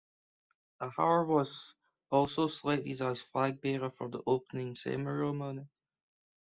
Ahar was also selected as flag bearer for the opening ceremony.